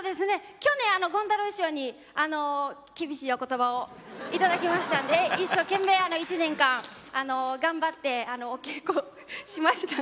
去年権太楼師匠に厳しいお言葉を頂きましたんで一生懸命１年間頑張ってお稽古をしました。